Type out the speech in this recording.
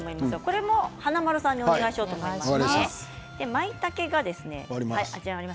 これも華丸さんにお願いしようと思います。